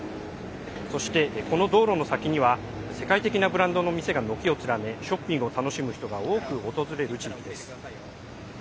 そしてこの道路の先には世界的なブランドの店が軒を連ねショッピングを楽しむ人が多く訪れる地域です。